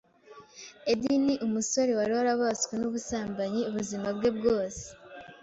Eddy ni umusore wari warabaswe n’ubusambanyi ubuzima bwe bwose